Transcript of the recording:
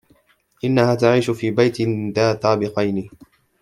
إنها تعيش في بيت ذا طابقين.